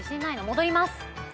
戻ります。